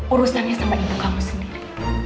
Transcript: urusannya sama ibu kamu sendiri